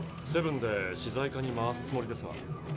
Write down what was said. セブンで資材課に回すつもりですが。